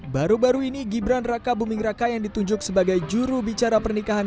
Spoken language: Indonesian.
baru baru ini gibran raka bumingraka yang ditunjuk sebagai juru bicara pernikahan